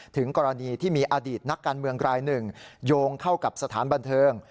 ถึงกรณีที่มีอดีตนักการเมืองรายหนึ่งโยงเข้ากับสถานบันเทิง